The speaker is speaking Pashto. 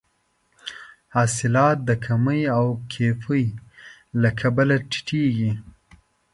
حاصلات د کمې او کیفي له کبله ټیټیږي.